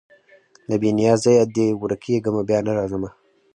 له بې نیازیه دي ورکېږمه بیا نه راځمه